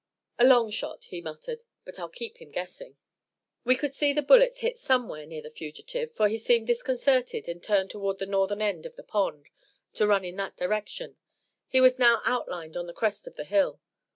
"A long shot," he muttered, "but I'll keep him guessing." We could see the bullets hit somewhere near the fugitive, for he seemed disconcerted and turned toward the northern end of the pond, to run in that direction; he was now outlined on the crest of the hill.